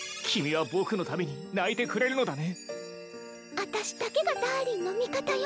あたしだけがダーリンの味方よ。